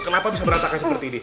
kenapa bisa berantakan seperti ini